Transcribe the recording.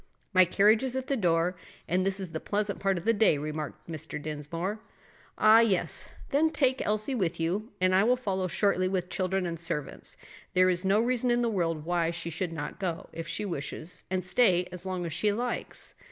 "My carriage is at the door, and this is the pleasantest part of the day," remarked Mr. Dinsmore. "Ah, yes; then take Elsie with you, and I will follow shortly with children and servants. There is no reason in the world why she should not go, if she wishes, and stay as long as she likes."